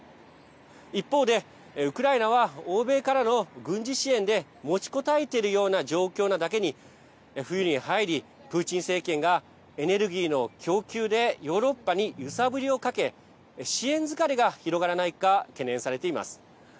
一方で、ウクライナは欧米からの軍事支援で持ちこたえているような状況なだけに冬に入りプーチン政権がエネルギーの供給でヨーロッパに揺さぶりをかけ支援疲れが広がらないか懸念されています。